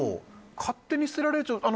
勝手に捨てられると。